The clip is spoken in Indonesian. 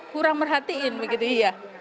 kurang merhatiin begitu ya